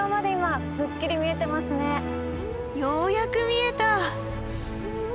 ようやく見えた！